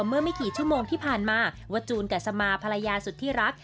เมื่อไม่กี่ชั่วโมงที่ผ่านมาว่าจูนกับสมาภรรยาสุดที่รัก